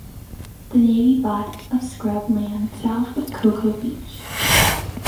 The Navy bought of scrub land south of Cocoa Beach.